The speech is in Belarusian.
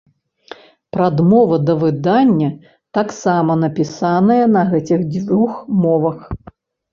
Прадмова да выдання таксама напісаная на гэтых дзвюх мовах.